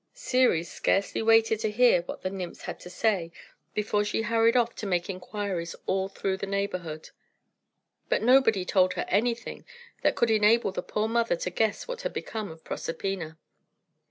Ceres scarcely waited to hear what the nymphs had to say before she hurried off to make inquiries all through the neighbourhood. But nobody told her anything that could enable the poor mother to guess what had become of Proserpina.